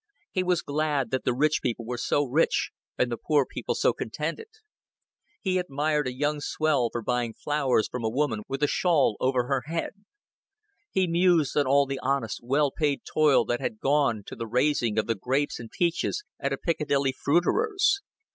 He was glad that the rich people were so rich and the poor people so contented; he admired a young swell for buying flowers from a woman with a shawl over her head; he mused on all the honest, well paid toil that had gone to the raising of the grapes and peaches at a Piccadilly fruiterer's.